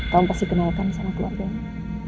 kamu pasti kenalkan sama keluarganya